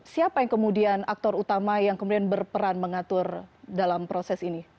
siapa yang kemudian aktor utama yang kemudian berperan mengatur dalam proses ini